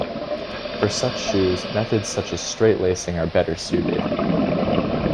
For such shoes, methods such as straight lacing are better suited.